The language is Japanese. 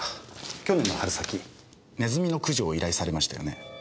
去年の春先ネズミの駆除を依頼されましたよね？